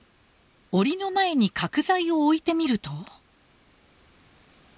おりの前に角材を置いてみると。